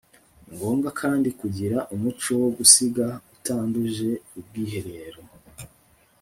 ni ngombwa kandi kugira umuco wo gusiga utanduje ubwiherero